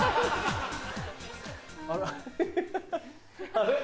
あれ？